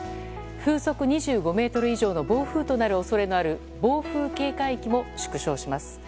風速２５メートル以上の暴風となる恐れのある暴風警戒域も縮小します。